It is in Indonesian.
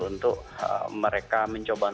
untuk mereka mencoba